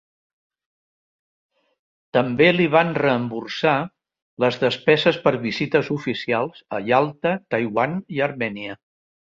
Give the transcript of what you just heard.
També li van reemborsar les despeses per visites oficials a Yalta, Taiwan i Armènia.